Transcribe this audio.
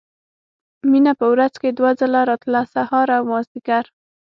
مينه په ورځ کښې دوه ځله راتله سهار او مازديګر.